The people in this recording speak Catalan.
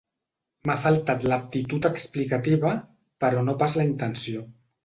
M'ha faltat l'aptitud explicativa, però no pas la intenció.